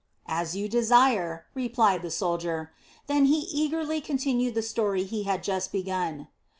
"As you desire," replied the soldier. Then he eagerly continued the story he had just begun.